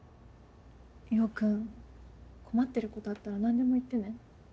ヨー君困ってることあったら何でも言ってね。